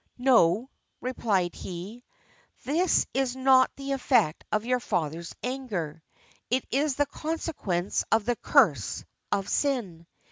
'No,' replied he, 'this is not the effect of your father's anger; it is the consequence of the curse of sin.